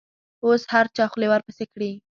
اوس هر چا خولې ورپسې کړي.